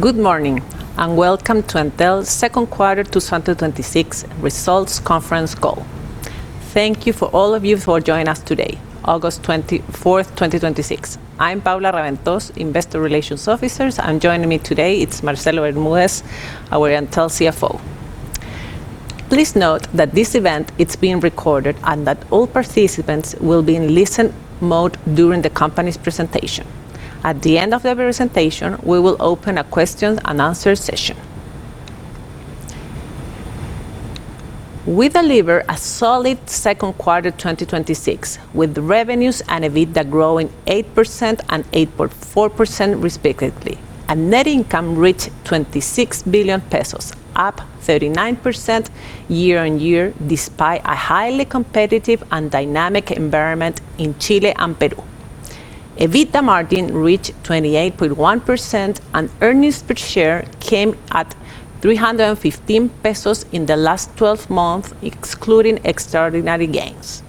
Good morning, welcome to Entel's second quarter 2026 results conference call. Thank you for all of you for joining us today, August 24th, 2026. I'm Paula Raventós, Investor Relations Officer, and joining me today, it's Marcelo Bermúdez, our Entel CFO. Please note that this event is being recorded and that all participants will be in listen mode during the company's presentation. At the end of the presentation, we will open a question-and-answer session. We delivered a solid second quarter 2026 with revenues and EBITDA growing 8% and 8.4% respectively. Net income reached 26 billion pesos, up 39% year-on-year, despite a highly competitive and dynamic environment in Chile and Peru. EBITDA margin reached 28.1% and earnings per share came at 315 pesos in the last 12 months, excluding extraordinary gains.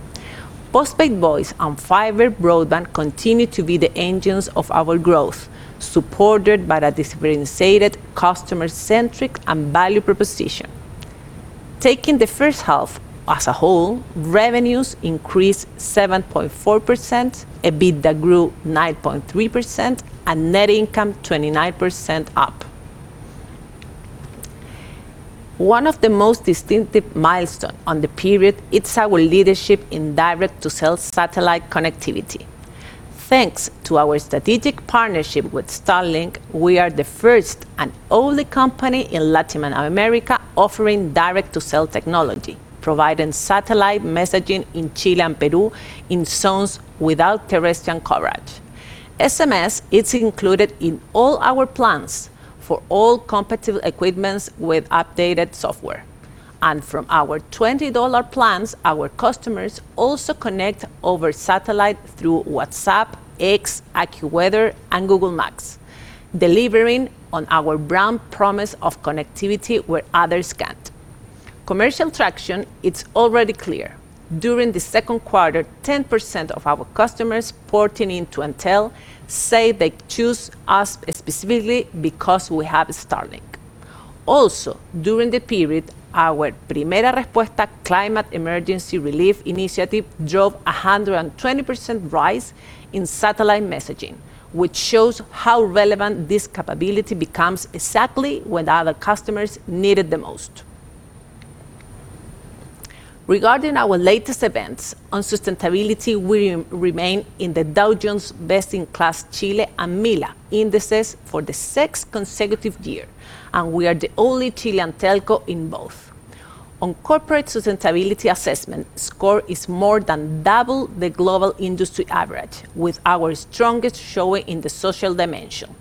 Postpaid voice and fiber broadband continue to be the engines of our growth, supported by a differentiated customer-centric and value proposition. Taking the first half as a whole, revenues increased 7.4%, EBITDA grew 9.3%, net income 29% up. One of the most distinctive milestones on the period, it's our leadership in direct-to-cell satellite connectivity. Thanks to our strategic partnership with Starlink, we are the first and only company in Latin America offering direct-to-cell technology, providing satellite messaging in Chile and Peru in zones without terrestrial coverage. SMS is included in all our plans for all competitive equipments with updated software. From our $20 plans, our customers also connect over satellite through WhatsApp, X, AccuWeather, and Google Maps, delivering on our brand promise of connectivity where others can't. Commercial traction, it's already clear. During the second quarter, 10% of our customers porting into Entel say they choose us specifically because we have Starlink. Also, during the period, our Primera Respuesta climate emergency relief initiative drove 120% rise in satellite messaging, which shows how relevant this capability becomes exactly when other customers need it the most. Regarding our latest events on sustainability, we remain in the Dow Jones Best in Class Chile and MILA indices for the sixth consecutive year. We are the only Chilean telco in both. On corporate sustainability assessment, score is more than double the global industry average, with our strongest showing in the social dimension.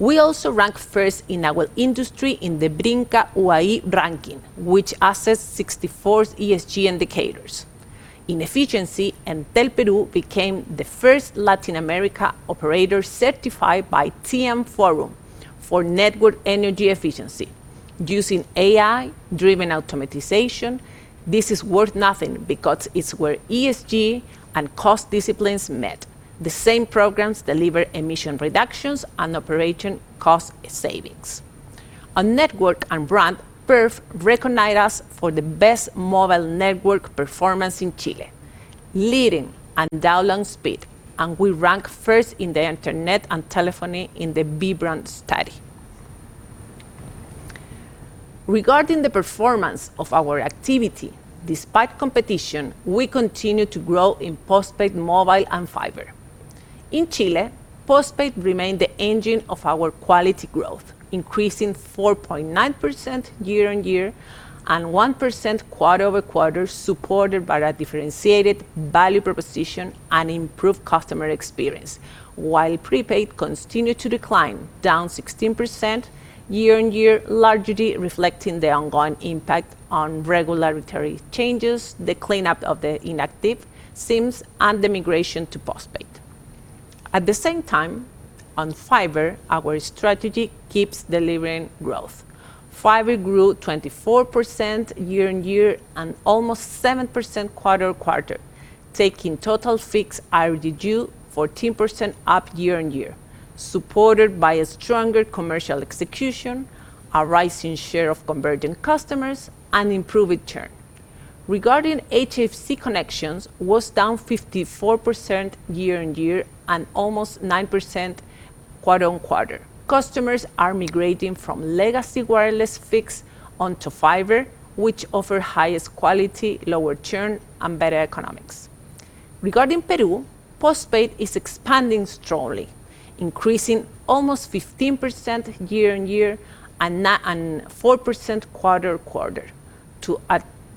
We also rank first in our industry in the Brinca-UAI ranking, which assess 64 ESG indicators. In efficiency, Entel Peru became the first Latin America operator certified by TM Forum for network energy efficiency using AI-driven automatization. This is worth noting because it's where ESG and cost disciplines met. The same programs deliver emission reductions and operation cost savings. On network and brand, PERF recognized us for the best mobile network performance in Chile, leading on download speed. We rank first in the internet and telephony in the B-Brand study. Regarding the performance of our activity, despite competition, we continue to grow in postpaid mobile and fiber. In Chile, postpaid remained the engine of our quality growth, increasing 4.9% year-on-year and 1% quarter-over-quarter, supported by a differentiated value proposition and improved customer experience. While prepaid continued to decline, down 16% year-on-year, largely reflecting the ongoing impact on regulatory changes, the cleanup of the inactive SIMs, and the migration to postpaid. At the same time, on fiber, our strategy keeps delivering growth. Fiber grew 24% year-on-year and almost 7% quarter-over-quarter, taking total fixed ARPU 14% up year-on-year, supported by a stronger commercial execution, a rise in share of convergent customers, and improving churn. Regarding HFC connections was down 54% year-on-year and almost 9% quarter-on-quarter. Customers are migrating from legacy wireless fixed onto fiber, which offer highest quality, lower churn, and better economics. Regarding Peru, postpaid is expanding strongly, increasing almost 15% year-on-year and 4% quarter-over-quarter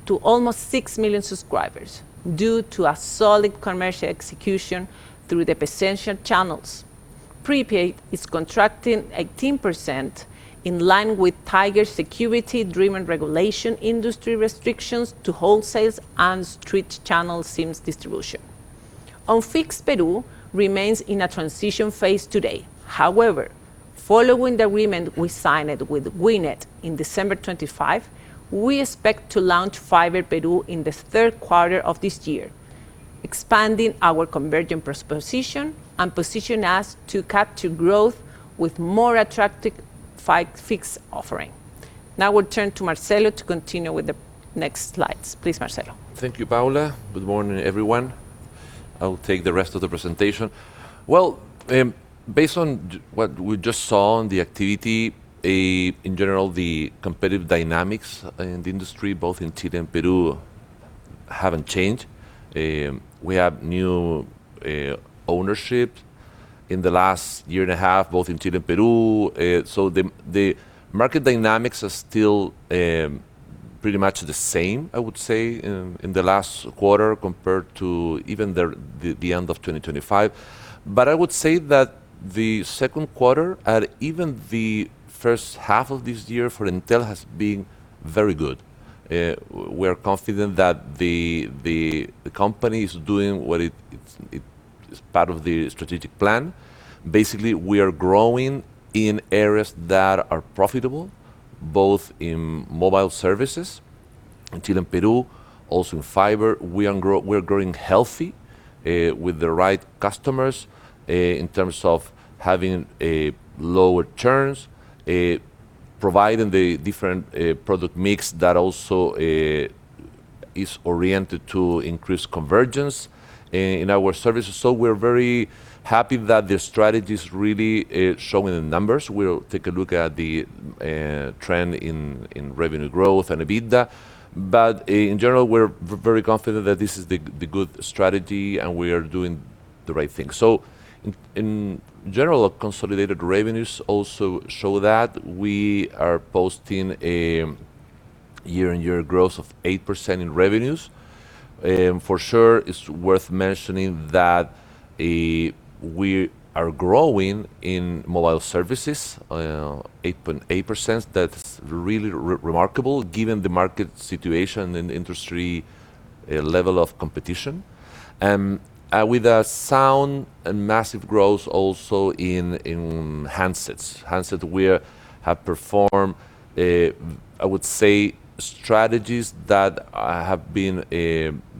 to almost six million subscribers due to a solid commercial execution through the potential channels. Prepaid is contracting 18%, in line with tighter security-driven regulation industry restrictions to wholesale and street channel SIMs distribution. On Fixed Peru remains in a transition phase today. Following the agreement we signed with Wi-Net in December 25, we expect to launch Fiber Peru in the third quarter of this year. Expanding our convergent proposition and position us to capture growth with more attractive fixed offering. We'll turn to Marcelo to continue with the next slides. Please, Marcelo. Thank you, Paula. Good morning, everyone. I'll take the rest of the presentation. Based on what we just saw on the activity, in general, the competitive dynamics in the industry, both in Chile and Peru, haven't changed. We have new ownership in the last year and a half, both in Chile and Peru. The market dynamics are still pretty much the same, I would say, in the last quarter compared to even the end of 2025. I would say that the second quarter and even the first half of this year for Entel has been very good. We're confident that the company is doing what is part of the strategic plan. We are growing in areas that are profitable, both in mobile services in Chile and Peru, also in fiber. We're growing healthy with the right customers in terms of having lower churn, providing the different product mix that also is oriented to increase convergence in our services. We're very happy that the strategy is really showing the numbers. We'll take a look at the trend in revenue growth and EBITDA, in general, we're very confident that this is the good strategy, and we are doing the right thing. In general, consolidated revenues also show that we are posting a year-on-year growth of 8% in revenues. It's worth mentioning that we are growing in mobile services, 8.8%. That's really remarkable given the market situation in the industry level of competition. With a sound and massive growth also in handsets. Handset we have performed, I would say, strategies that have been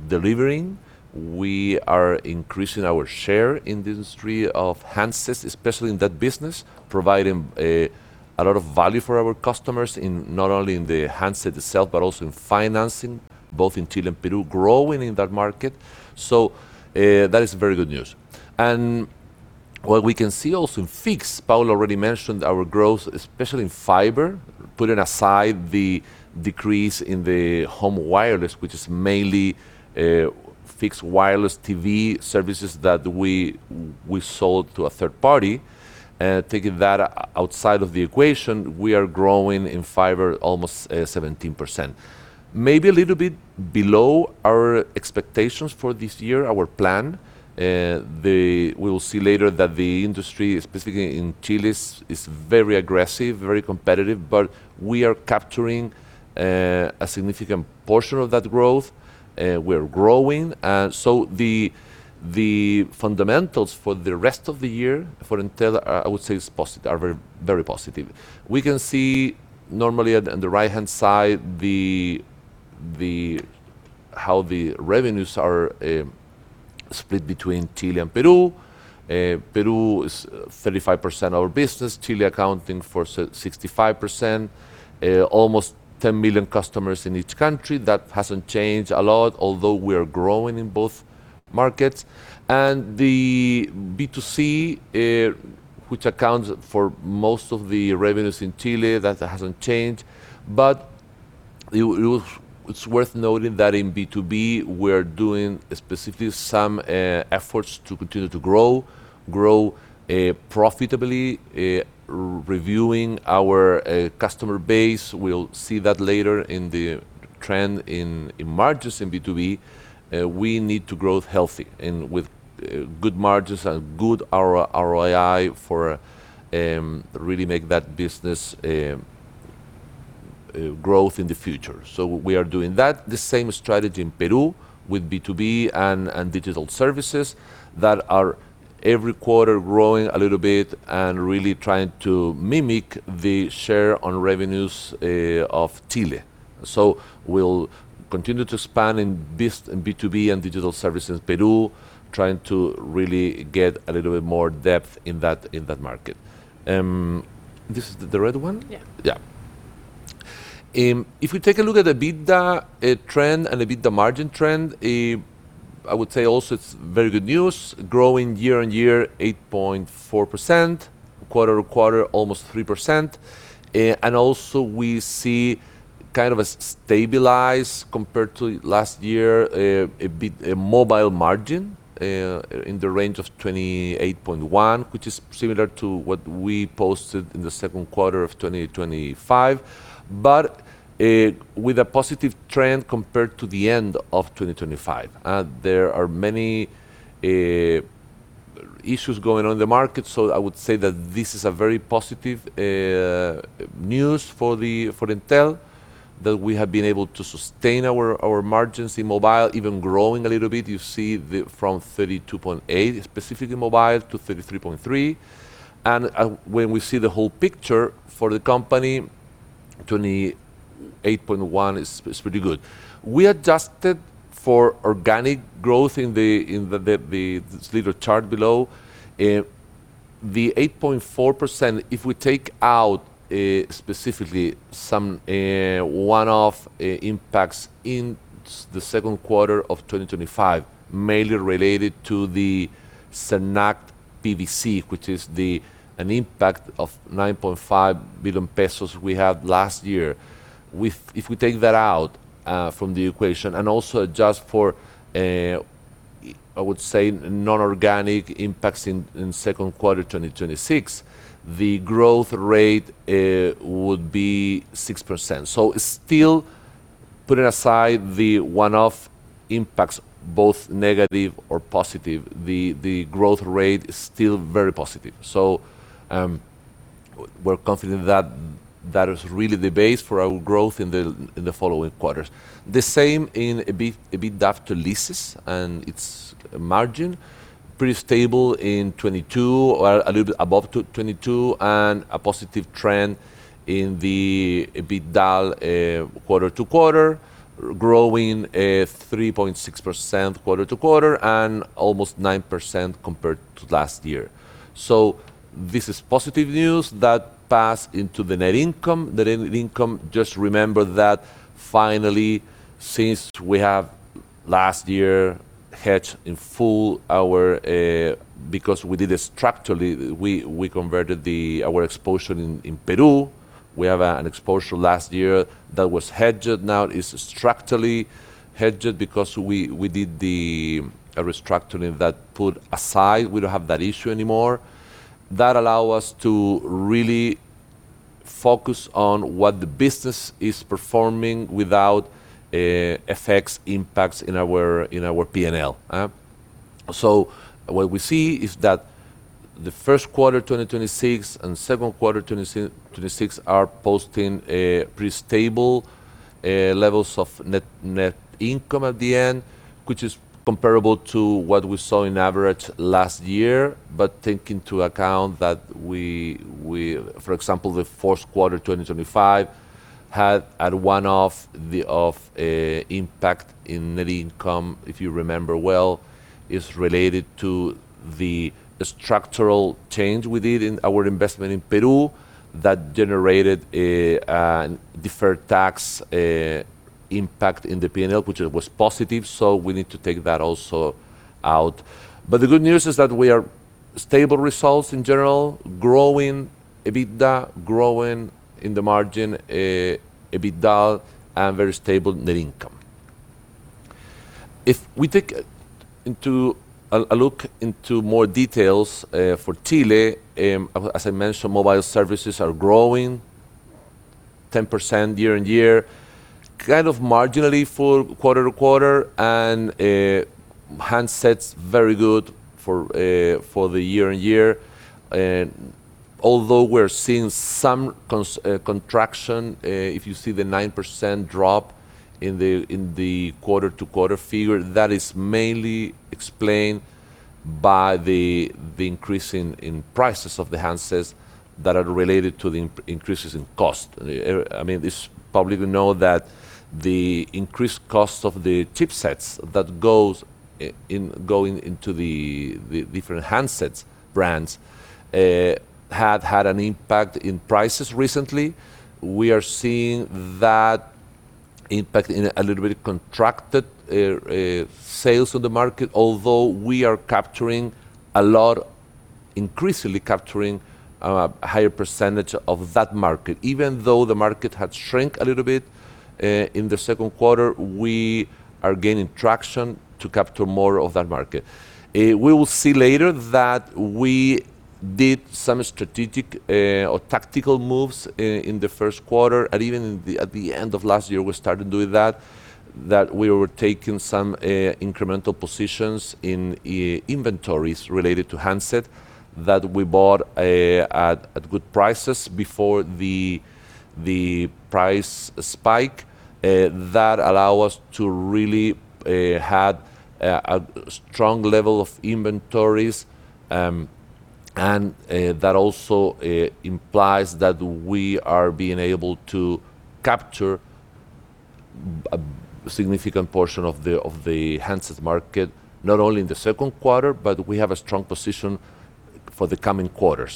delivering. We are increasing our share in the industry of handsets, especially in that business, providing a lot of value for our customers not only in the handset itself but also in financing, both in Chile and Peru, growing in that market. That is very good news. What we can see also in Fixed, Paula already mentioned our growth, especially in fiber, putting aside the decrease in the home wireless, which is mainly Fixed Wireless TV services that we sold to a third party. Taking that outside of the equation, we are growing in fiber almost 17%. Maybe a little bit below our expectations for this year, our plan. We will see later that the industry, specifically in Chile, is very aggressive, very competitive, but we are capturing a significant portion of that growth. We are growing. The fundamentals for the rest of the year for Entel, I would say, are very positive. We can see normally on the right-hand side how the revenues are split between Chile and Peru. Peru is 35% of our business, Chile accounting for 65%, almost 10 million customers in each country. That has not changed a lot, although we are growing in both markets. The B2C, which accounts for most of the revenues in Chile, that has not changed. It is worth noting that in B2B, we are doing specifically some efforts to continue to grow profitably, reviewing our customer base. We will see that later in the trend in margins in B2B. We need to grow healthy and with good margins and good ROI for really make that business growth in the future. We are doing that. The same strategy in Peru with B2B and digital services that are every quarter growing a little bit and really trying to mimic the share on revenues of Chile. We will continue to expand in B2B and digital services Peru, trying to really get a little bit more depth in that market. This is the red one? Yeah. If we take a look at EBITDA trend and EBITDA margin trend, I would say also it is very good news, growing year-on-year 8.4%, quarter-on-quarter almost 3%. Also, we see a stabilized compared to last year, mobile margin in the range of 28.1%, which is similar to what we posted in the second quarter of 2025, but with a positive trend compared to the end of 2025. There are many issues going on in the market, I would say that this is a very positive news for Entel, that we have been able to sustain our margins in mobile, even growing a little bit. You see from 32.8% specifically mobile, to 33.3%. When we see the whole picture for the company 28.1% is pretty good. We adjusted for organic growth in this little chart below. The 8.4%, if we take out specifically some one-off impacts in the second quarter of 2025, mainly related to the Sernac PVC, which is an impact of 9.5 billion pesos we had last year. If we take that out from the equation and also adjust for, I would say, non-organic impacts in second quarter 2026, the growth rate would be 6%. Still putting aside the one-off impacts, both negative or positive, the growth rate is still very positive. We're confident that is really the base for our growth in the following quarters. The same in EBITDA after leases and its margin, pretty stable in 2022, or a little bit above 2022, and a positive trend in the EBITDA quarter-to-quarter, growing 3.6% quarter-to-quarter and almost 9% compared to last year. This is positive news that pass into the net income. Net income, just remember that finally since we have last year hedged in full our, we did it structurally, we converted our exposure in Peru. We have an exposure last year that was hedged, now it is structurally hedged because we did a restructuring that put aside, we don't have that issue anymore. That allow us to really focus on what the business is performing without effects, impacts in our P&L. What we see is that the first quarter 2026 and second quarter 2026 are posting pretty stable levels of net income at the end, which is comparable to what we saw in average last year, but take into account that we, for example, the fourth quarter 2025 had a one-off impact in net income, if you remember well, is related to the structural change we did in our investment in Peru that generated a deferred tax impact in the P&L, which was positive, we need to take that also out. The good news is that we are stable results in general, growing EBITDA, growing in the margin EBITDA, and very stable net income. If we take a look into more details, for Chile, as I mentioned, mobile services are growing 10% year-on-year, kind of marginally for quarter-to-quarter, and handsets very good for the year-on-year. Although we're seeing some contraction, if you see the 9% drop in the quarter-to-quarter figure, that is mainly explained by the increase in prices of the handsets that are related to the increases in cost. It's public know that the increased cost of the chipsets that go into the different handsets brands had had an impact in prices recently. We are seeing that impact in a little bit contracted sales on the market, although we are increasingly capturing a higher percentage of that market. Even though the market had shrink a little bit in the second quarter, we are gaining traction to capture more of that market. We will see later that we did some strategic or tactical moves in the first quarter, and even at the end of last year we started doing that we were taking some incremental positions in inventories related to handset that we bought at good prices before the price spike. That allow us to really have a strong level of inventories, and that also implies that we are being able to capture a significant portion of the handset market, not only in the second quarter, but we have a strong position for the coming quarters.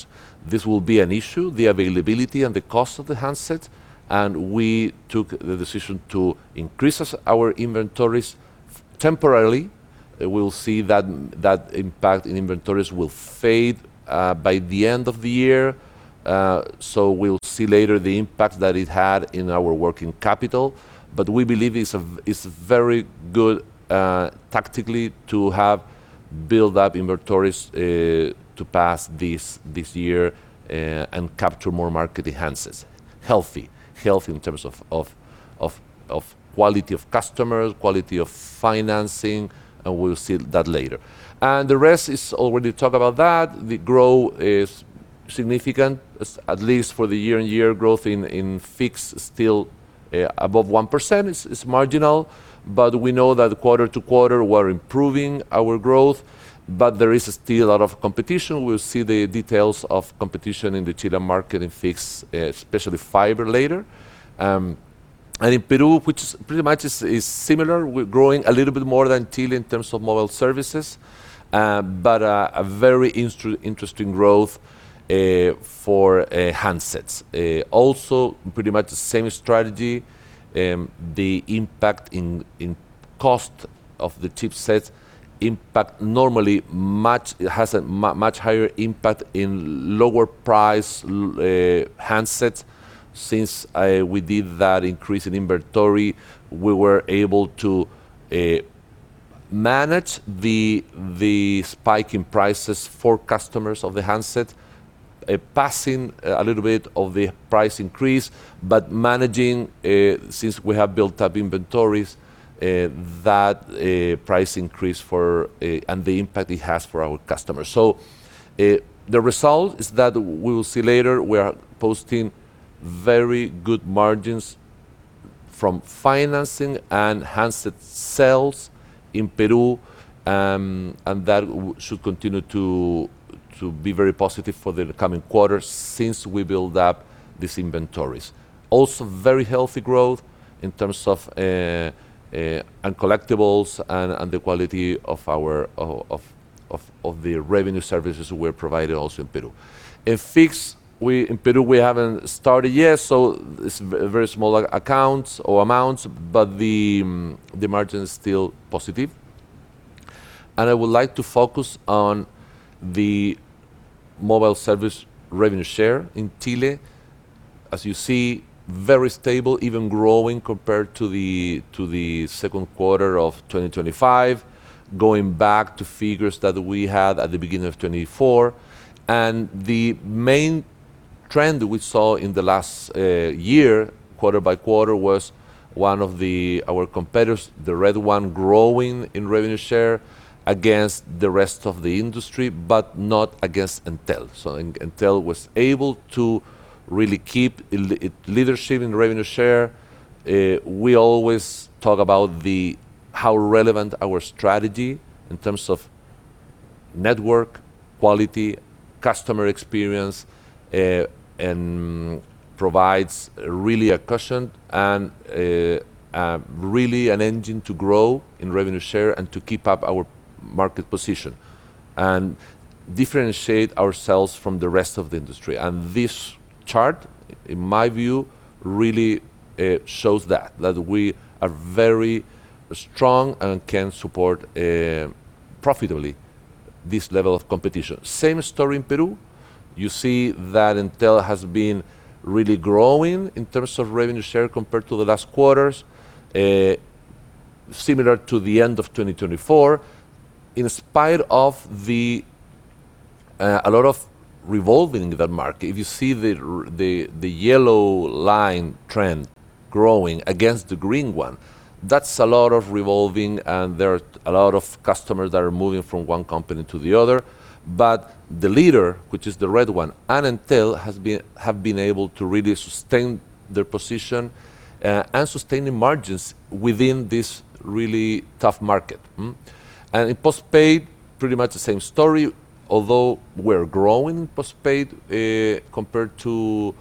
This will be an issue, the availability and the cost of the handset, and we took the decision to increase our inventories temporarily. We'll see that impact in inventories will fade by the end of the year, so we'll see later the impact that it had in our working capital. We believe it's very good tactically to have build up inventories to pass this year and capture more market in handsets. Healthy in terms of quality of customers, quality of financing, and we'll see that later. The rest is already talked about that. The growth is significant, at least for the year-over-year growth in fixed still above 1%, it's marginal, we know that quarter to quarter we're improving our growth, there is still a lot of competition. We'll see the details of competition in the Chile market in fixed, especially fiber, later. In Peru, which pretty much is similar. We're growing a little bit more than Chile in terms of mobile services, but a very interesting growth for handsets. Also, pretty much the same strategy. The impact in cost of the chipsets impact normally, it has a much higher impact in lower price handsets. Since we did that increase in inventory, we were able to manage the spike in prices for customers of the handset, passing a little bit of the price increase, but managing, since we have built up inventories, that price increase and the impact it has for our customers. The result is that we will see later, we are posting very good margins from financing and handset sales in Peru, that should continue to be very positive for the coming quarters since we build up these inventories. Also, very healthy growth in terms of uncollectibles and the quality of the revenue services we're providing also in Peru. In fixed in Peru, we haven't started yet, it's very small accounts or amounts, the margin is still positive. I would like to focus on the mobile service revenue share in Chile. As you see, very stable, even growing compared to the second quarter of 2025, going back to figures that we had at the beginning of 2024. The main trend we saw in the last year, quarter by quarter, was one of our competitors, the red one, growing in revenue share against the rest of the industry, but not against Entel. Entel was able to really keep leadership in revenue share. We always talk about how relevant our strategy in terms of network quality, customer experience, and provides really a cushion and really an engine to grow in revenue share and to keep up our market position and differentiate ourselves from the rest of the industry. This chart, in my view, really shows that we are very strong and can support profitably this level of competition. Same story in Peru. You see that Entel has been really growing in terms of revenue share compared to the last quarters, similar to the end of 2024. In spite of a lot of revolving in that market, if you see the yellow line trend growing against the green one, that's a lot of revolving, and there are a lot of customers that are moving from one company to the other. The leader, which is the red one, and Entel have been able to really sustain their position and sustaining margins within this really tough market. In postpaid, pretty much the same story, although we're growing postpaid, compared to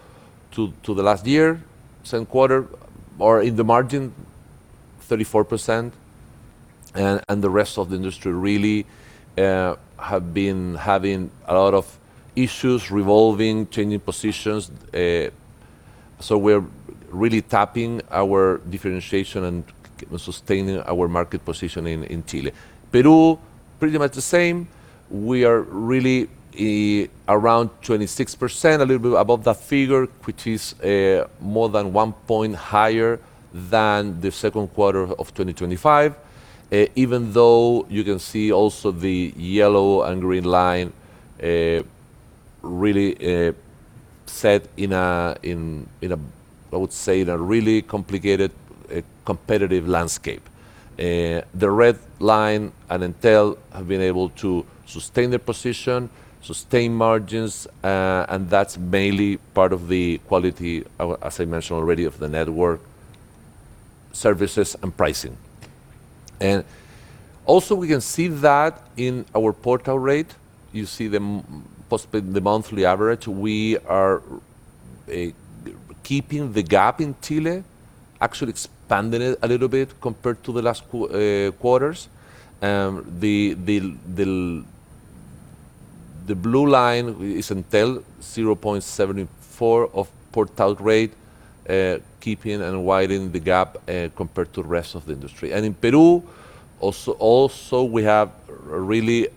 the last year same quarter or in the margin 34%, the rest of the industry really have been having a lot of issues revolving, changing positions. We're really tapping our differentiation and sustaining our market position in Chile. Peru, pretty much the same. We are really around 26%, a little bit above that figure, which is more than one point higher than the second quarter of 2025. Even though you can see also the yellow and green line really set in a really complicated competitive landscape. The red line and Entel have been able to sustain their position, sustain margins, and that's mainly part of the quality, as I mentioned already, of the network services and pricing. Also, we can see that in our port out rate. You see the postpaid, the monthly average. We are keeping the gap in Chile, actually expanding it a little bit compared to the last quarters. The blue line is Entel, 0.74 of port out rate, keeping and widening the gap compared to rest of the industry. In Peru, also we have a really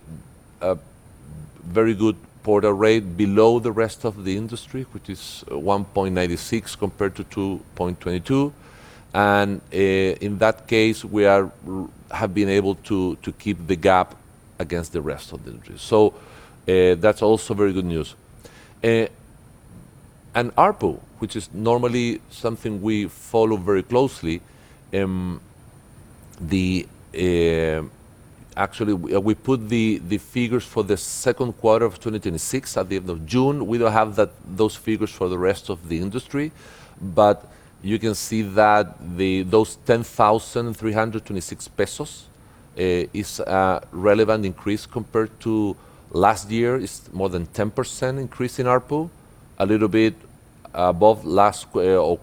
very good port out rate below the rest of the industry, which is 1.96 compared to 2.22, and in that case, we have been able to keep the gap against the rest of the industry. That's also very good news. ARPU, which is normally something we follow very closely. Actually, we put the figures for the second quarter of 2026 at the end of June. We don't have those figures for the rest of the industry, but you can see that those 10,326 pesos is a relevant increase compared to last year. It's more than 10% increase in ARPU, a little bit above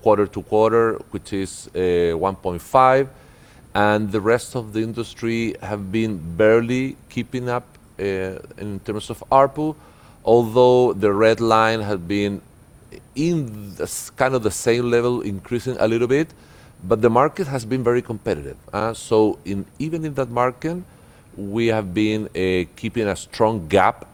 quarter to quarter, which is 1.5%. The rest of the industry have been barely keeping up in terms of ARPU, although the red line has been in the same level, increasing a little bit, but the market has been very competitive. Even in that market, we have been keeping a strong gap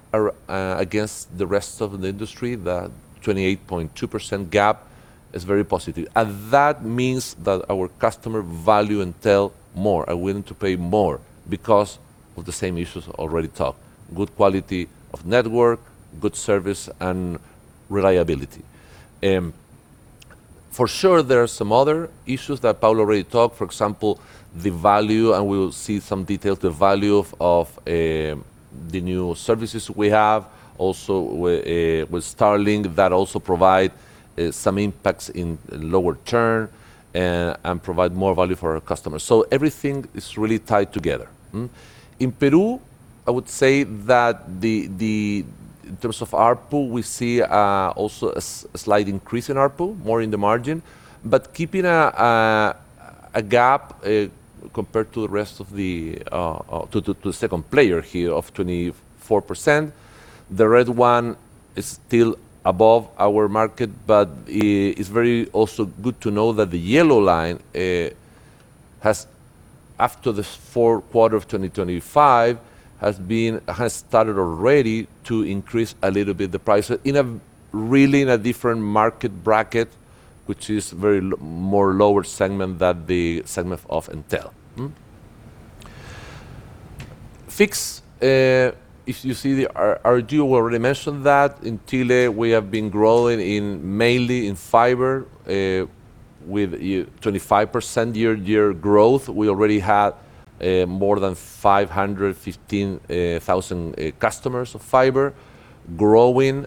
against the rest of the industry. That 28.2% gap is very positive. That means that our customer value Entel more, are willing to pay more because of the same issues already talked: good quality of network, good service, and reliability. For sure, there are some other issues that Paula already talked. For example, the value, and we will see some details, the value of the new services we have. With Starlink, that also provide some impacts in lower churn and provide more value for our customers. Everything is really tied together. In Peru, I would say that in terms of ARPU, we see also a slight increase in ARPU, more in the margin, but keeping a gap compared to the second player here of 24%. The red one is still above our market, but it's very also good to know that the yellow line, after the fourth quarter of 2025, has started already to increase a little bit the price, really in a different market bracket, which is very more lower segment than the segment of Entel. Fix. If you see the RGU, already mentioned that in Chile, we have been growing mainly in fiber with 25%-year growth. We already had more than 515,000 customers of fiber growing.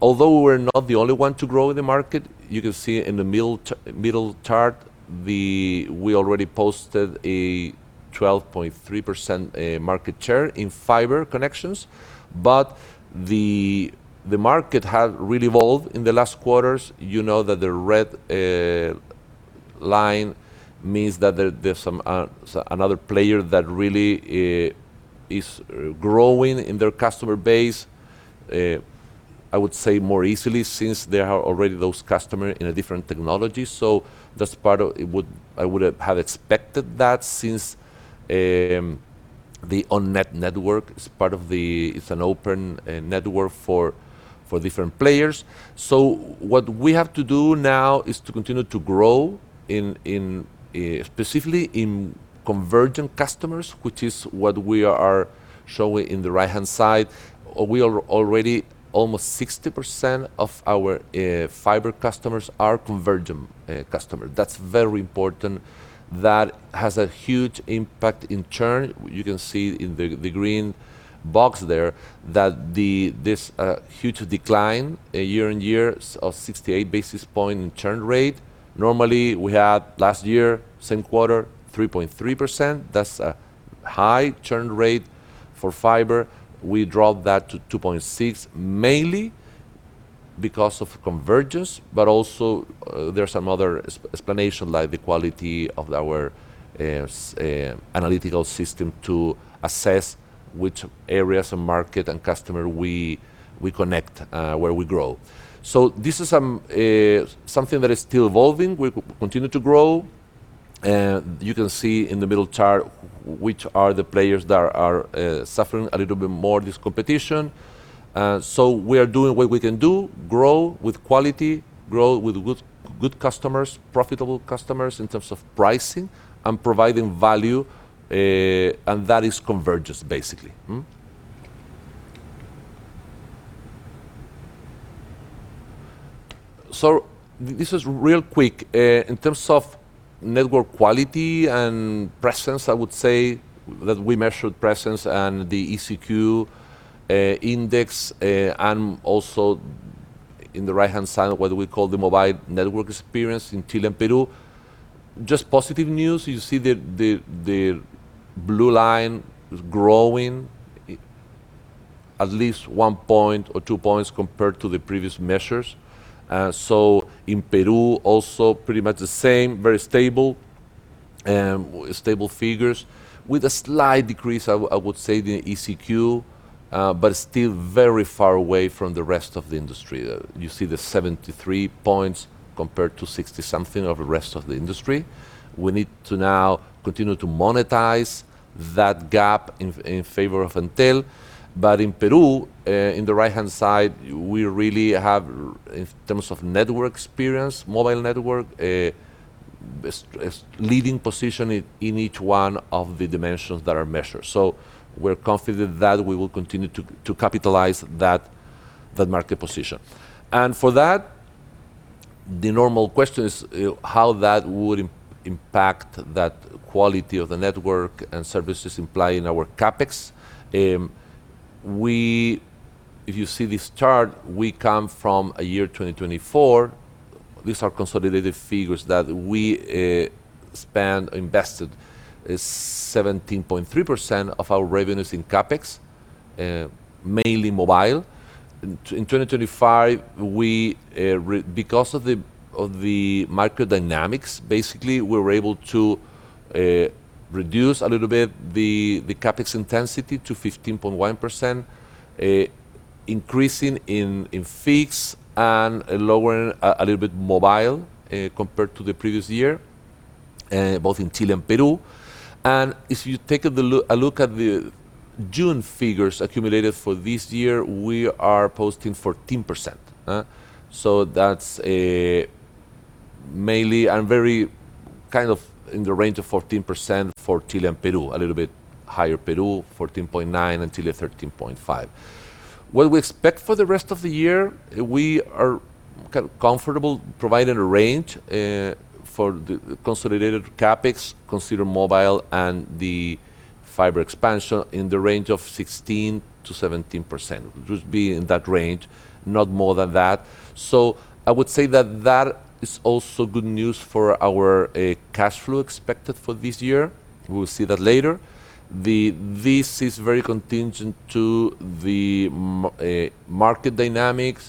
Although we're not the only one to grow in the market, you can see in the middle chart, we already posted a 12.3% market share in fiber connections, but the market has really evolved in the last quarters. You know that the red line means that there's another player that really is growing in their customer base, I would say more easily, since they have already those customers in a different technology. That's part of it. I would have expected that since the OnNet network, it's an open network for different players. What we have to do now is to continue to grow specifically in convergent customers, which is what we are showing in the right-hand side. Almost 60% of our fiber customers are convergent customer. That's very important. That has a huge impact in churn. You can see in the green box there that this huge decline year-over-year of 68 basis point in churn rate. Normally, we had last year, same quarter, 3.3%. That's a high churn rate for fiber. We dropped that to 2.6%, mainly because of convergence, but also there's some other explanation, like the quality of our analytical system to assess which areas of market and customer we connect, where we grow. This is something that is still evolving. We continue to grow. You can see in the middle chart, which are the players that are suffering a little bit more this competition. We are doing what we can do, grow with quality, grow with good customers, profitable customers in terms of pricing, and providing value, and that is convergence, basically. This is real quick. In terms of network quality and presence, I would say that we measured presence and the ECQ index, and also in the right-hand side, what we call the mobile network experience in Chile and Peru, just positive news. You see the blue line is growing at least one point or two points compared to the previous measures. In Peru, also pretty much the same, very stable figures with a slight decrease, I would say, the ECQ, but still very far away from the rest of the industry. You see the 73 points compared to 60 something of the rest of the industry. We need to now continue to monetize that gap in favor of Entel. In Peru, in the right-hand side, we really have, in terms of network experience, mobile network, a leading position in each one of the dimensions that are measured. We're confident that we will continue to capitalize that market position. The normal question is how that would impact that quality of the network and services implied in our CapEx. If you see this chart, we come from a 2024. These are consolidated figures that we invested 17.3% of our revenues in CapEx, mainly mobile. In 2025, because of the market dynamics, basically, we were able to reduce a little bit the CapEx intensity to 15.1%, increasing in fixed and lowering a little bit mobile compared to the previous year, both in Chile and Peru. If you take a look at the June figures accumulated for this year, we are posting 14%. That's mainly in the range of 14% for Chile and Peru, a little bit higher Peru, 14.9% and Chile 13.5%. What we expect for the rest of the year, we are comfortable providing a range for the consolidated CapEx, consider mobile and the fiber expansion in the range of 16% to 17%, which would be in that range, not more than that. I would say that that is also good news for our cash flow expected for this year. We'll see that later. This is very contingent to the market dynamics.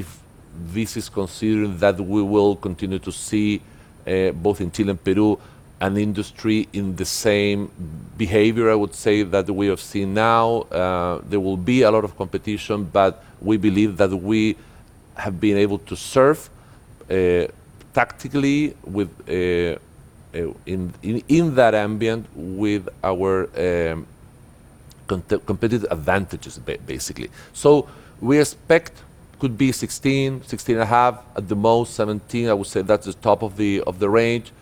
If this is considered that we will continue to see, both in Chile and Peru, an industry in the same behavior, I would say that we have seen now, there will be a lot of competition, but we believe that we have been able to surf tactically in that ambient with our competitive advantages, basically. We expect could be 16%, 16.5%, at the most 17%. I would say that's the top of the range.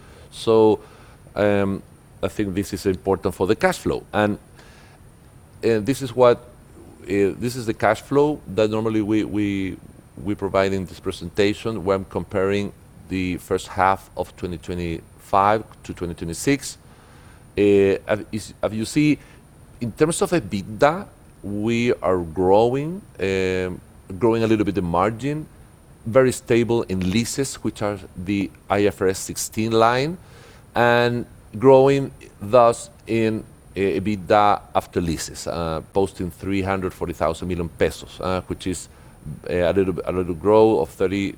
I think this is important for the cash flow. This is the cash flow that normally we provide in this presentation when comparing the first half of 2025 to 2026. As you see, in terms of EBITDA, we are growing a little bit the margin, very stable in leases, which are the IFRS 16 line, and growing thus in EBITDA after leases, posting 340,000 million pesos which is a little growth of 30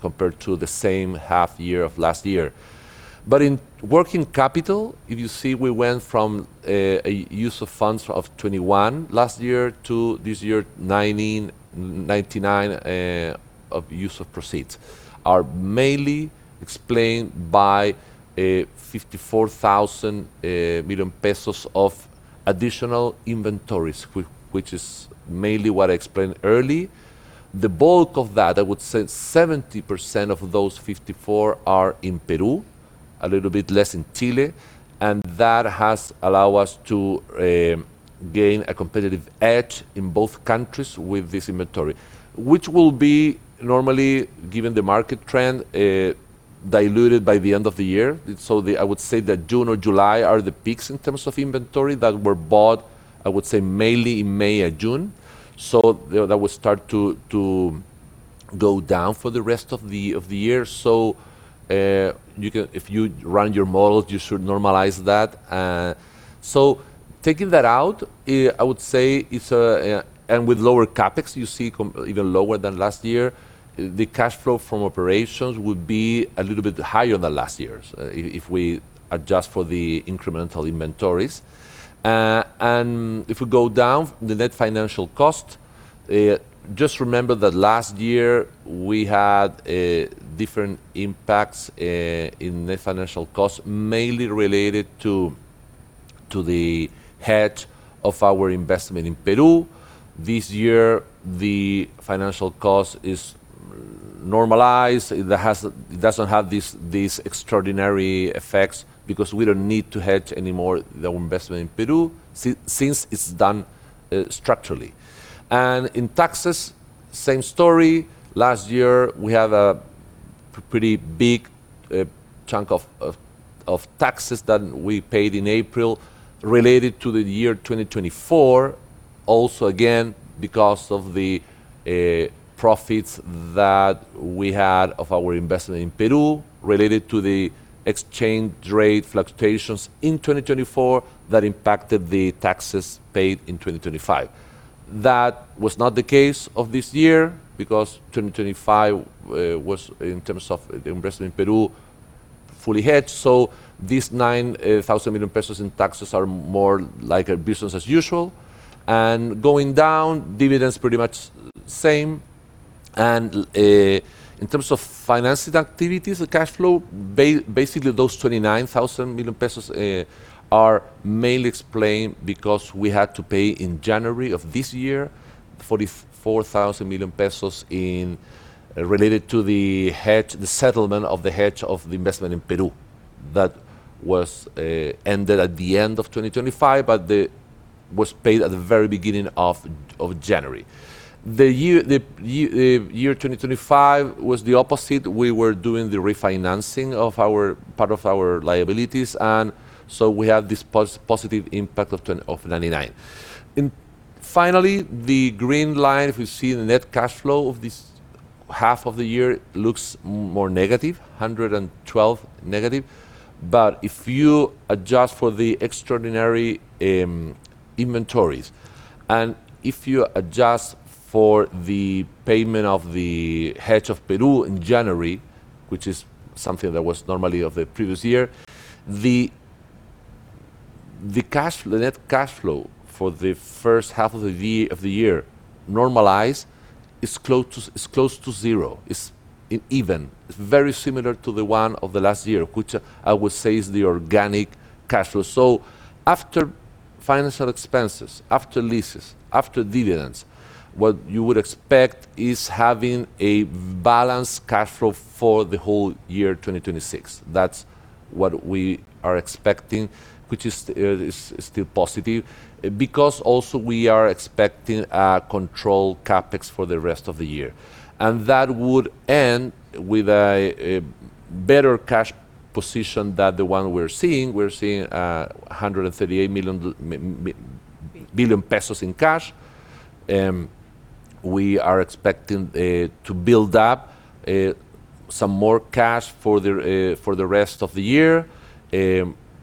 compared to the same half year of last year. In working capital, if you see, we went from a use of funds of 21 last year to this year, 99 of use of proceeds, are mainly explained by 54,000 million pesos of additional inventories, which is mainly what I explained early. The bulk of that, I would say 70% of those 54%, are in Peru, a little bit less in Chile, and that has allowed us to gain a competitive edge in both countries with this inventory. Which will be normally, given the market trend, diluted by the end of the year. I would say that June or July are the peaks in terms of inventory that were bought, I would say mainly in May or June. That will start to go down for the rest of the year. If you run your models, you should normalize that. Taking that out, and with lower CapEx, you see even lower than last year, the cash flow from operations would be a little bit higher than last year's if we adjust for the incremental inventories. If we go down the net financial cost, just remember that last year we had different impacts in net financial cost, mainly related to the hedge of our investment in Peru. This year, the financial cost is normalized. It doesn't have these extraordinary effects because we don't need to hedge anymore the investment in Peru since it's done structurally. In taxes, same story. Last year, we had a pretty big chunk of taxes that we paid in April related to the year 2024, also, again, because of the profits that we had of our investment in Peru related to the exchange rate fluctuations in 2024 that impacted the taxes paid in 2025. That was not the case of this year because 2025 was, in terms of investment in Peru, fully hedged. These 9,000 million pesos in taxes are more like a business as usual. Going down, dividends pretty much same. In terms of financing activities, the cash flow, basically those 29,000 million pesos are mainly explained because we had to pay in January of this year 44,000 million pesos related to the settlement of the hedge of the investment in Peru that ended at the end of 2025 but was paid at the very beginning of January. The year 2025 was the opposite. We were doing the refinancing of part of our liabilities; we have this positive impact of 99 million. Finally, the green line, if you see the net cash flow of this half of the year, looks more negative, 112 million negative. If you adjust for the extraordinary inventories, and if you adjust for the payment of the hedge of Peru in January, which is something that was normally of the previous year, the net cash flow for the first half of the year normalized is close to zero. It's even. It's very similar to the one of the last year, which I would say is the organic cash flow. After financial expenses, after leases, after dividends, what you would expect is having a balanced cash flow for the whole year 2026. That's what we are expecting, which is still positive, because also we are expecting a controlled CapEx for the rest of the year. That would end with a better cash position than the one we're seeing. We're seeing 138 billion pesos in cash. We are expecting to build up some more cash for the rest of the year.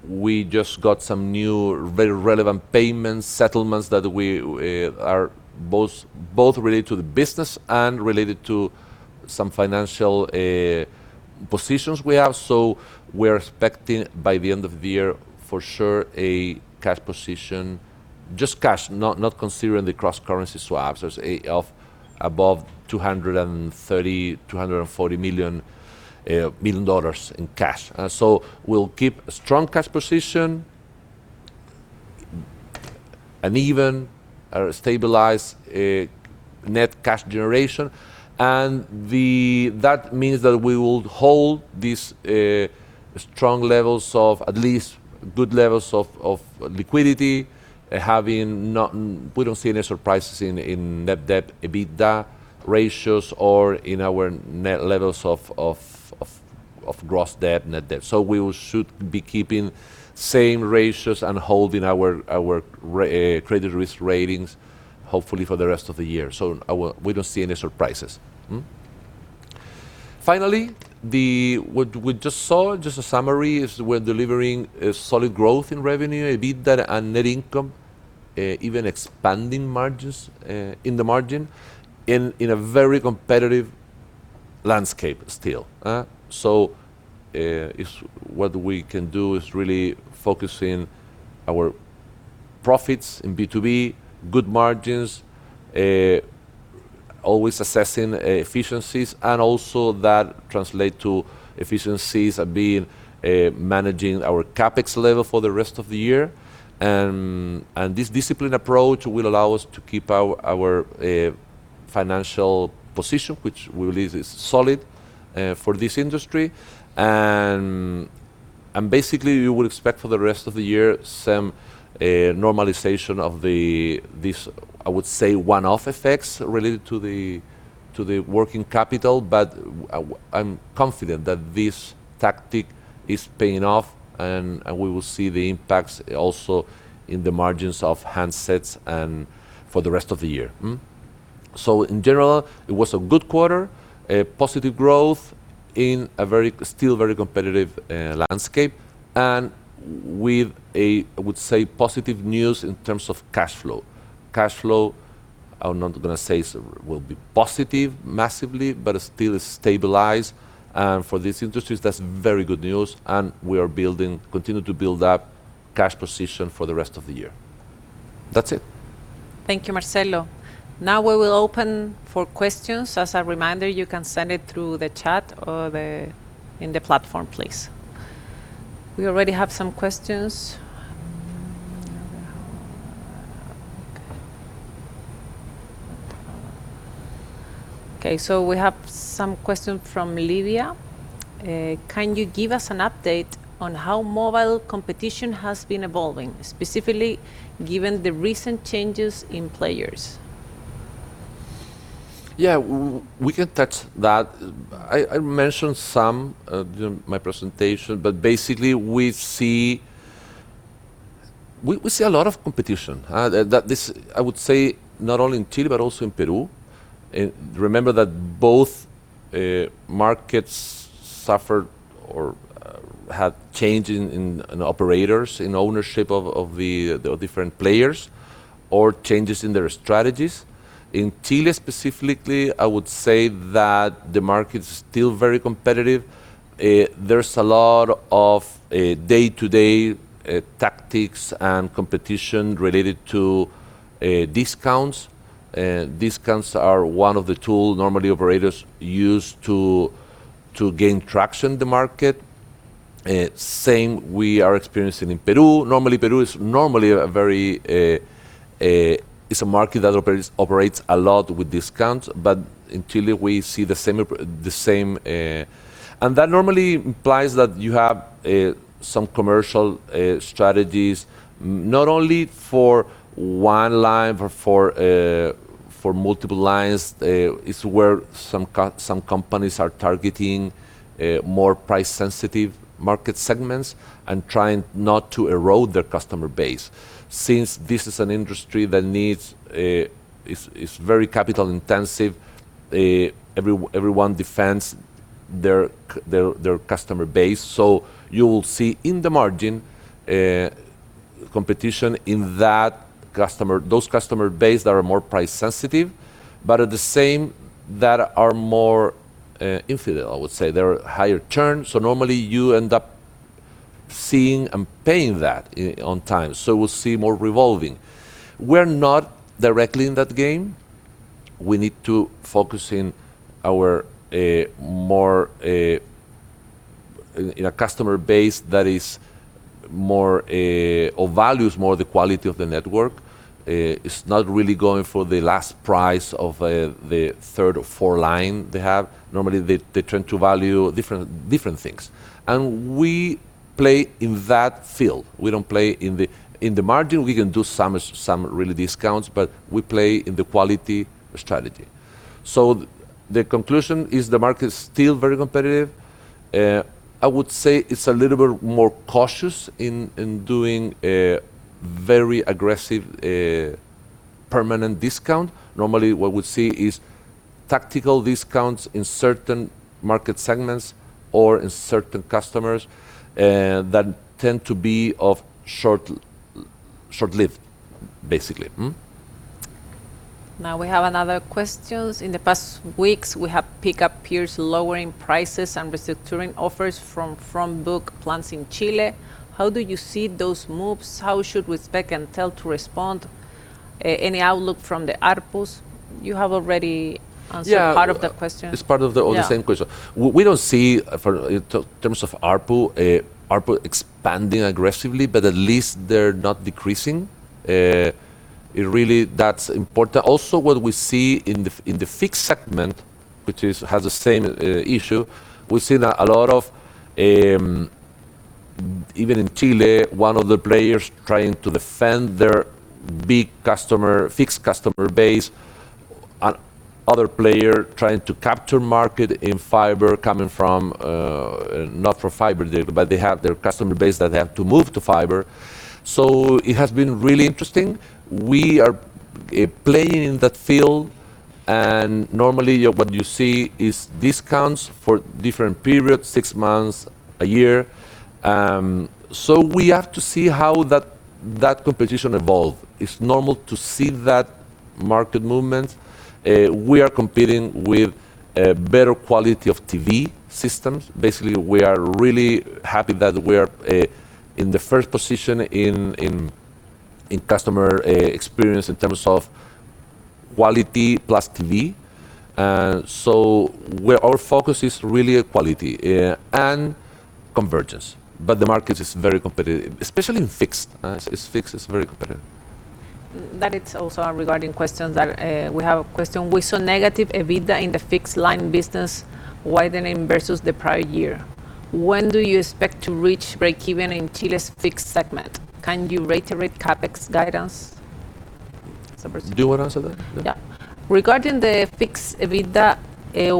We just got some new very relevant payments, settlements that both relate to the business and related to some financial positions we have. We're expecting by the end of the year, for sure a cash position, just cash, not considering the cross-currency swaps, of above $230 million, $240 million in cash. We'll keep a strong cash position, an even or stabilized net cash generation. That means that we will hold these strong levels of at least good levels of liquidity. We don't see any surprises in net debt, EBITDA ratios or in our net levels of gross debt, net debt. We should be keeping same ratios and holding our credit risk ratings hopefully for the rest of the year. We don't see any surprises. Finally, what we just saw, just a summary, is we're delivering solid growth in revenue, EBITDA and net income, even expanding margins in the margin in a very competitive landscape still. What we can do is really focus in our profits in B2B, good margins, always assessing efficiencies, and also that translate to efficiencies and managing our CapEx level for the rest of the year. This disciplined approach will allow us to keep our financial position, which we believe is solid for this industry. Basically, you would expect for the rest of the year, some normalization of this, I would say, one-off effects related to the working capital. I'm confident that this tactic is paying off, and we will see the impacts also in the margins of handsets and for the rest of the year. In general, it was a good quarter, a positive growth in a still very competitive landscape. With, I would say, positive news in terms of cash flow. Cash flow, I'm not going to say will be positive massively, still is stabilized. For these industries, that's very good news, we are continuing to build up cash position for the rest of the year. That's it. Thank you, Marcelo. Now we will open for questions. As a reminder, you can send it through the chat or in the platform, please. We already have some questions. We have some questions from Livia. "Can you give us an update on how mobile competition has been evolving, specifically given the recent changes in players? Yeah, we can touch that. I mentioned some during my presentation, basically, we see a lot of competition. I would say not only in Chile, also in Peru. Remember that both markets suffered or had change in operators, in ownership of the different players, or changes in their strategies. In Chile specifically, I would say that the market's still very competitive. There's a lot of day-to-day tactics and competition related to discounts. Discounts are one of the tools normally operators use to gain traction in the market. Same we are experiencing in Peru. It's a market that operates a lot with discounts, in Chile, we see the same. That normally implies that you have some commercial strategies, not only for one line but for multiple lines. It's where some companies are targeting more price-sensitive market segments and trying not to erode their customer base. Since this is an industry that is very capital-intensive, everyone defends their customer base. You will see in the margin competition in those customer base that are more price sensitive, but at the same that are more infidel, I would say. There are higher churn, normally you end up seeing and paying that on time. We'll see more revolving. We're not directly in that game. We need to focus in a customer base that values more the quality of the network. It's not really going for the last price of the third or fourth line they have. Normally, they tend to value different things. We play in that field. We don't play in the margin. We can do some really discounts, but we play in the quality strategy. The conclusion is the market is still very competitive. I would say it's a little bit more cautious in doing very aggressive permanent discount. Normally, what we see is tactical discounts in certain market segments or in certain customers that tend to be of short lived, basically. We have another questions. In the past weeks, we have picked up peers lowering prices and restructuring offers from book plans in Chile. How do you see those moves? How should we expect Entel to respond? Any outlook from the ARPUs? You have already answered. Yeah It is part of that question. It's part of the same question. Yeah. We don't see, in terms of ARPU expanding aggressively, but at least they're not decreasing. Really, that's important. Also, what we see in the fixed segment, which has the same issue, we've seen a lot of, even in Chile, one of the players trying to defend their big, fixed customer base, other player trying to capture market in fiber coming from Not from fiber, but they have their customer base that they have to move to fiber. It has been really interesting. We are playing in that field, and normally what you see is discounts for different periods, six months, one year. We have to see how that competition evolve. It's normal to see that market movement. We are competing with better quality of TV systems. Basically, we are really happy that we are in the first position in customer experience in terms of quality plus TV. Our focus is really quality and convergence, but the market is very competitive, especially in fixed. Fixed is very competitive. That is also regarding questions that we have a question. We saw negative EBITDA in the fixed line business widening versus the prior year. When do you expect to reach breakeven in Chile's fixed segment? Can you reiterate CapEx guidance? Do you want to answer that? Regarding the fixed EBITDA,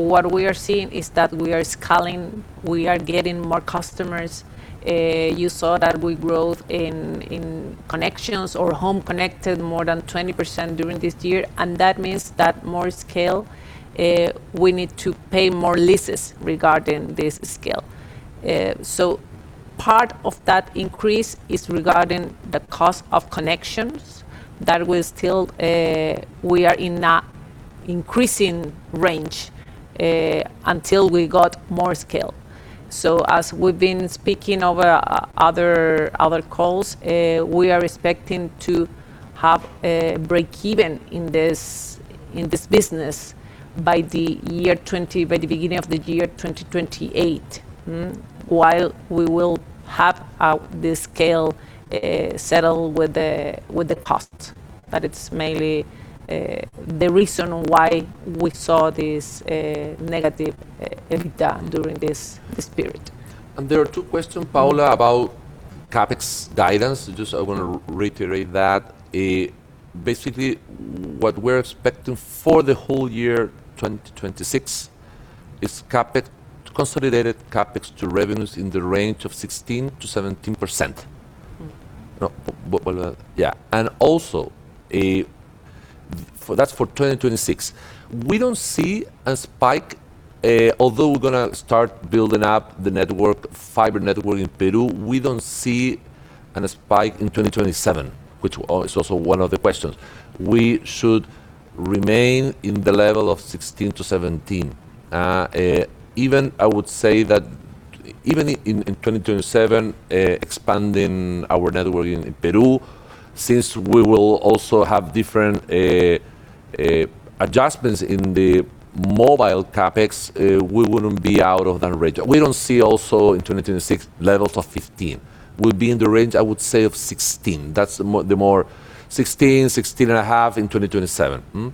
what we are seeing is that we are scaling, we are getting more customers. You saw that we growth in connections or home connected more than 20% during this year, and that means that more scale, we need to pay more leases regarding this scale. Part of that increase is regarding the cost of connections, that we are in an increasing range, until we got more scale. As we've been speaking over other calls, we are expecting to have a breakeven in this business by the beginning of the year 2028. While we will have the scale settled with the cost. That it's maybe the reason why we saw this negative EBITDA during this period. There are two questions, Paula, about CapEx guidance. Just I want to reiterate that. Basically, what we're expecting for the whole year 2026 is consolidated CapEx to revenues in the range of 16% to 17%. That's for 2026. We don't see a spike, although we're going to start building up the fiber network in Peru, we don't see a spike in 2027, which is also one of the questions. We should remain in the level of 16%-17%. I would say that even in 2027, expanding our network in Peru, since we will also have different adjustments in the mobile CapEx, we wouldn't be out of that range. We don't see also in 2026 levels of 15. We'll be in the range, I would say, of 16. That's the more 16.5 in 2027.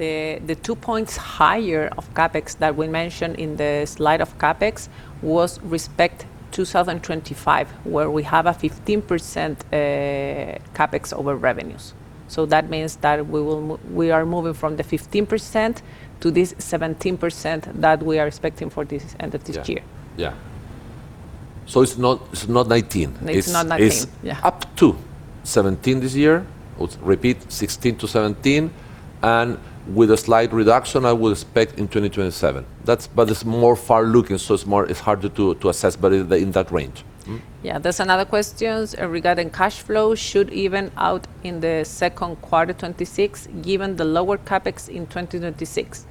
The two points higher of CapEx that we mentioned in the slide of CapEx was respect 2025, where we have a 15% CapEx over revenues. That means that we are moving from the 15% to this 17% that we are expecting for the end of this year. Yeah. It's not 19%. It's not 19%, yeah. It's up to 17% this year. I would repeat 16% to 17%, with a slight reduction, I would expect in 2027. It's more far looking, so it's harder to assess, but it's in that range. Yeah. There's another question regarding cash flow should even out in the second quarter 2026, given the lower CapEx in 2026.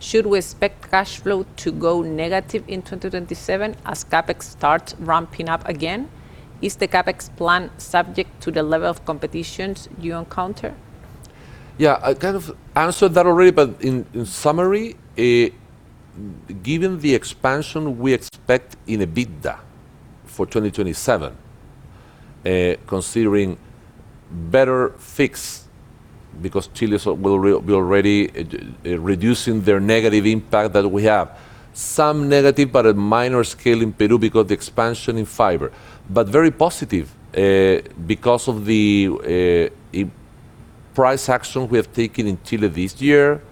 Should we expect cash flow to go negative in 2027 as CapEx starts ramping up again? Is the CapEx plan subject to the level of competitions you encounter? Yeah, I kind of answered that already, but in summary, given the expansion we expect in EBITDA for 2027, considering better fixed because Chile will be already reducing their negative impact that we have. Some negative, but a minor scale in Peru because the expansion in fiber. Very positive because of the price action we have taken in Chile this year.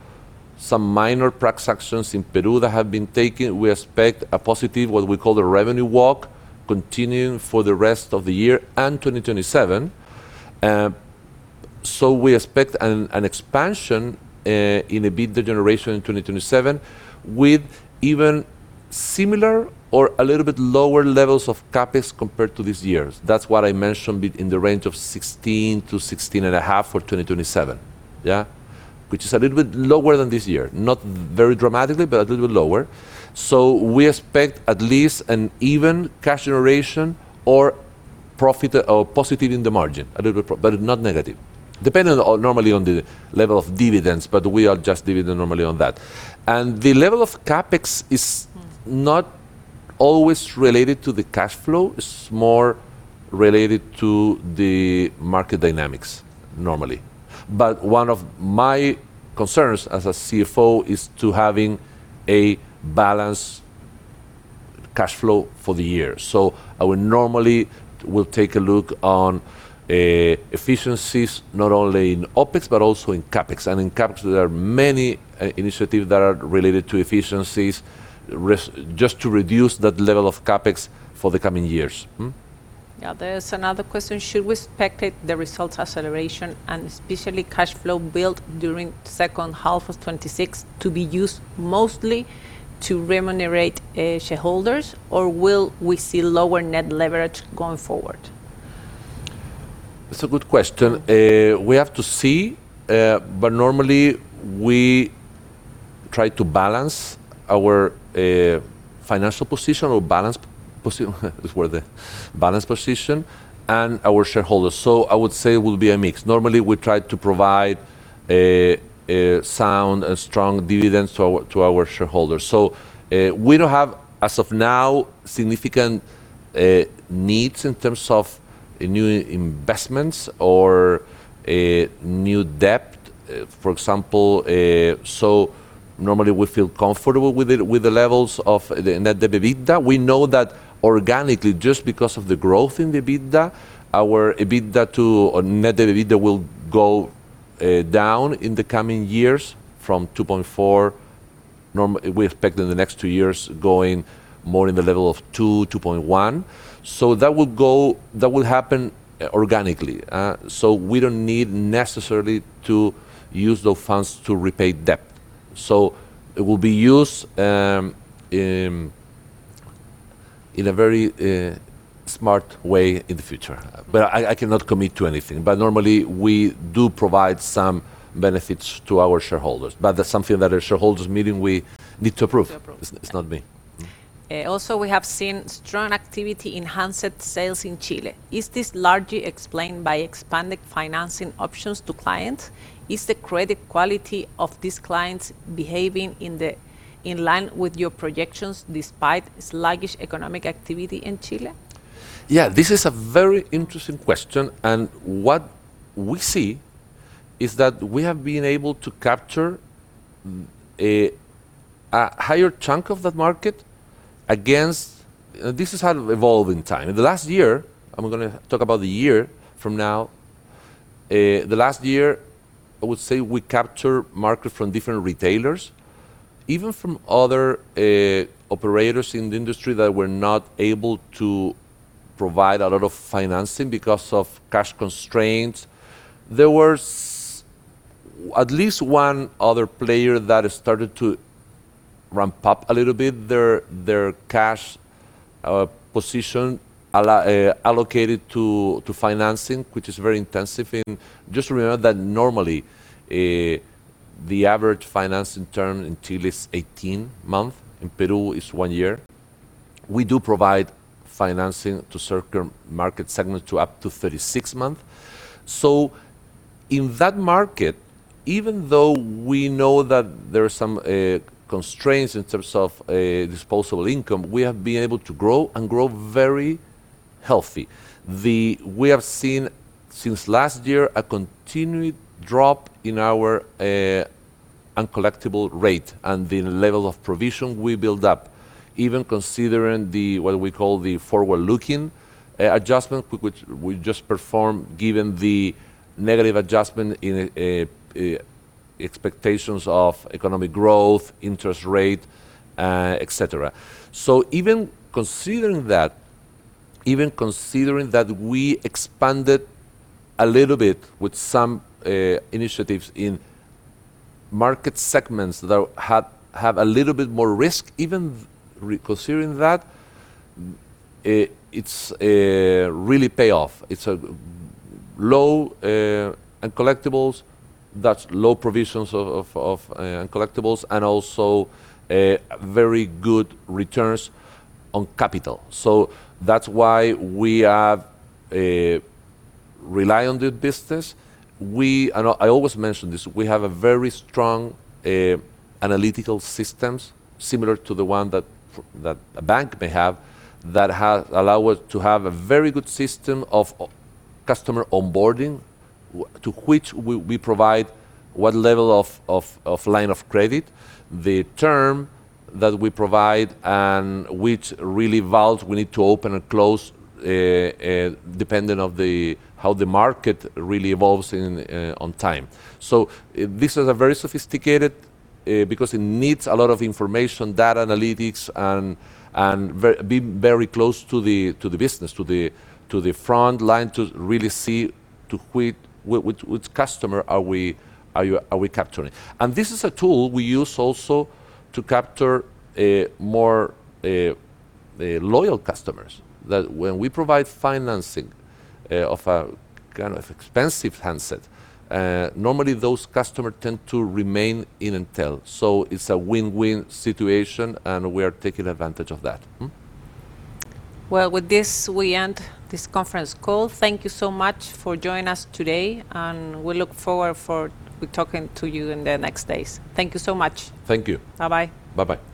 Some minor price actions in Peru that have been taken. We expect a positive, what we call the revenue walk, continuing for the rest of the year and 2027. We expect an expansion in EBITDA generation in 2027 with even similar or a little bit lower levels of CapEx compared to this year. That's what I mentioned, in the range of 16-16.5 for 2027. Yeah? Which is a little bit lower than this year. Not very dramatically, but a little bit lower. We expect at least an even cash generation or positive in the margin, but not negative. Depending normally on the level of dividends, but we adjust dividend normally on that. The level of CapEx is not always related to the cash flow. It's more related to the market dynamics, normally. One of my concerns as a CFO is to having a balanced cash flow for the year. I would normally will take a look on efficiencies not only in OpEx, but also in CapEx. In CapEx, there are many initiatives that are related to efficiencies just to reduce that level of CapEx for the coming years. Yeah. There's another question: Should we expect the results acceleration and especially cash flow built during second half of 2026 to be used mostly to remunerate shareholders, or will we see lower net leverage going forward? It's a good question. We have to see, normally we try to balance our financial position or balance position, and our shareholders. I would say it will be a mix. Normally, we try to provide sound and strong dividends to our shareholders. We don't have, as of now, significant needs in terms of new investments or new debt, for example. Normally, we feel comfortable with the levels of the net debt to EBITDA. We know that organically, just because of the growth in the EBITDA, our EBITDA to net debt to EBITDA will go down in the coming years from 2.4, we expect in the next two years going more in the level of 2.1. That will happen organically. We don't need necessarily to use those funds to repay debt. It will be used in a very smart way in the future. I cannot commit to anything. Normally, we do provide some benefits to our shareholders. That's something that our shareholders meeting we need to approve. To approve. It's not me. We have seen strong activity in handset sales in Chile. Is this largely explained by expanded financing options to clients? Is the credit quality of these clients behaving in line with your projections despite sluggish economic activity in Chile? This is a very interesting question, what we see is that we have been able to capture a higher chunk of that market. This has evolved in time. In the last year, I'm going to talk about the year from now. The last year, I would say we captured market from different retailers, even from other operators in the industry that were not able to provide a lot of financing because of cash constraints. There was at least one other player that started to ramp up a little bit their cash position allocated to financing, which is very intensive. Just remember that normally, the average financing term in Chile is 18 months. In Peru, it's one year. We do provide financing to certain market segments for up to 36 months. In that market, even though we know that there are some constraints in terms of disposable income, we have been able to grow and grow very healthy. We have seen since last year a continued drop in our uncollectible rate and the level of provision we build up, even considering what we call the forward-looking adjustment, which we just performed, given the negative adjustment in expectations of economic growth, interest rate, et cetera. Even considering that we expanded a little bit with some initiatives in market segments that have a little bit more risk, even considering that, it really pays off. It's low uncollectibles. That's low provisions of uncollectibles, and also very good returns on capital. That's why we rely on the business. I always mention this. We have a very strong analytical system, similar to the one that a bank may have, that allows us to have a very good system of customer onboarding to which we provide what level of line of credit, the term that we provide, and which valves we need to open and close depending on how the market really evolves on time. This is very sophisticated because it needs a lot of information, data analytics, and being very close to the business, to the front line, to really see which customer are we capturing. This is a tool we use also to capture more loyal customers, that when we provide financing of a kind of expensive handset, normally those customers tend to remain in Entel. It's a win-win situation, and we are taking advantage of that. Well, with this, we end this conference call. Thank you so much for joining us today, and we look forward to talking to you in the next days. Thank you so much. Thank you. Bye-bye. Bye-bye.